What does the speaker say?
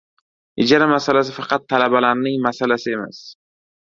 Ijara masalasi faqat ta'labalarning masalasi emas.